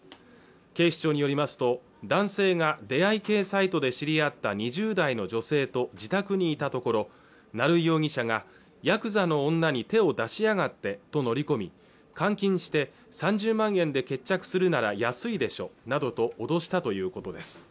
警視庁によりますと男性が出会い系サイトで知り合った２０代の女性と自宅にいたところ成井容疑者がヤクザの女に手を出しやがってと乗り込み監禁して３０万円で決着するなら安いでしょなどと脅したということです